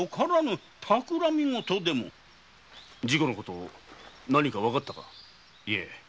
事故のこと何かわかったか？